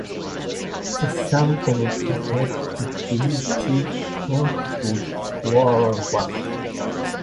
The sum of products between these quantities equals one.